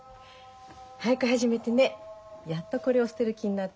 俳句始めてねやっとこれを捨てる気になったの。